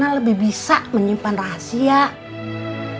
gak diperclichtuin cewek udah bangunin aku